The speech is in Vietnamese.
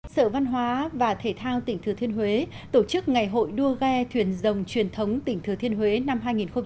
sở văn hóa và thể thao tỉnh thừa thiên huế tổ chức ngày hội đua ghe thuyền rồng truyền thống tỉnh thừa thiên huế năm hai nghìn một mươi chín